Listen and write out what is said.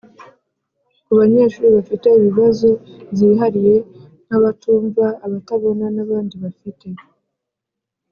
ku banyeshuri bafite ibibazo byihariye nk’abatumva, abatabona n’abandi bafite